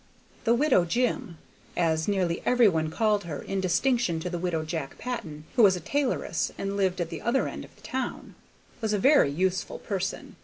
The Widow Jim (as nearly every one called her in distinction to the widow Jack Patton, who was a tailoress and lived at the other end of the town) was a very useful person.